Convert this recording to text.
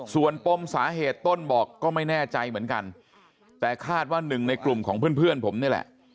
ส่วนปมสาเหตุต้นบอกก็ไม่แน่ใจเหมือนกันแต่คาดว่าหนึ่งในกลุ่มของเพื่อนผมนี่แหละ